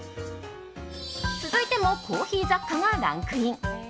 続いてもコーヒー雑貨がランクイン。